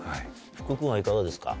福君はいかがですか？